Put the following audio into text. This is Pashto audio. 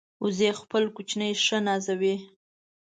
وزې خپل کوچني ښه نازوي